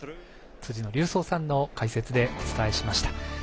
辻野隆三さんの解説でお伝えしました。